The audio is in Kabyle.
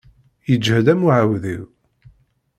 Yeǧhed am uɛewdiw.